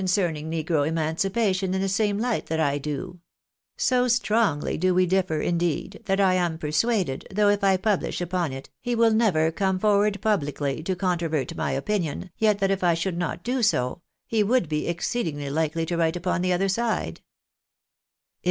241 cerning negro emancipation in tlie same light tliat I do ; so strongly do we differ, indeed, that I am persuaded, though if I publish upon it, he will never come forward publicly to controvert my opinion, yet, that if I should not do so, he would be exceedingly likely to write upon the other side."